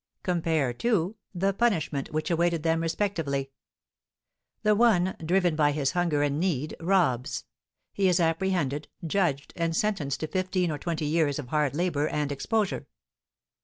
Compare, too, the punishment which awaited them respectively. The one, driven by his hunger and need, robs. He is apprehended, judged, and sentenced to fifteen or twenty years of hard labour and exposure.